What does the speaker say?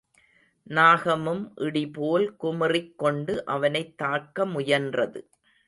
நாகமும் இடிபோல் குமுறிக் கொண்டு அவனைத் தாக்க முயன்றது.